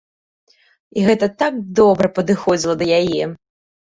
І гэта так добра падыходзіла да яе!